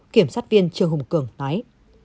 kiểm soát viên trương hùng cường nói